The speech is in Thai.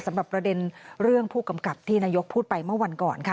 สำหรับประเด็นเรื่องผู้กำกับที่นายกพูดไปเมื่อวันก่อนค่ะ